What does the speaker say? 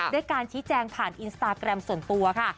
ด้วยการชี้แจงผ่านอินสตาแกรมส่วนตัวค่ะ